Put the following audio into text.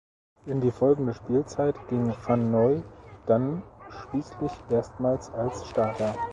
In die folgende Spielzeit ging Van Noy dann schließlich erstmals als Starter.